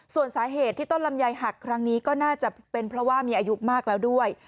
ส่วนสาเหตุที่ต้นลำไยหักครั้งนี้ก็น่าจะเป็นเพราะว่ามีอายุมากแล้วด้วย